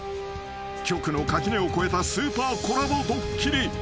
［局の垣根を越えたスーパーコラボドッキリ］